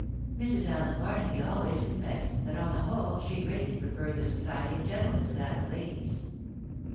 Mrs. Allen Barnaby always confessed, that on the whole, she greatly preferred the society of gentlemen to that of ladies.